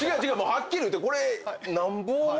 はっきり言うてこれ。